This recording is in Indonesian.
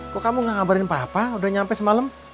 kok kamu gak ngabarin papa udah nyampe semalam